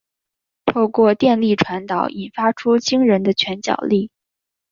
透过电力传导引发出惊人的拳脚力。